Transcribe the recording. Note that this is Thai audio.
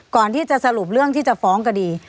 ก่อนที่จะสรุปเรื่องที่จะฟ้องคดี